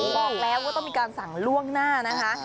บอกแล้วว่าต้องมีการสั่งล่วงหน้านะคะ